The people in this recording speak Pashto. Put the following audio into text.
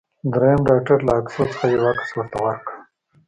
دریم ډاکټر له عکسو څخه یو عکس ورته ورکړ.